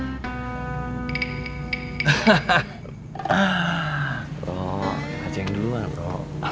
bro aja yang duluan bro